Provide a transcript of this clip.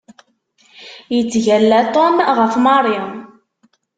Yettgalla Tom ɣef Mary.